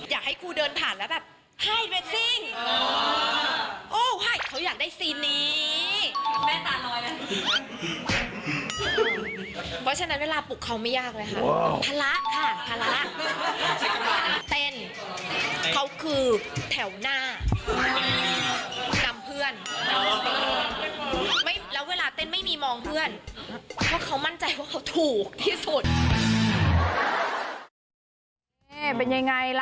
อยากให้ครูเดินผ่านแล้วแบบไฮเว็กซิ่ง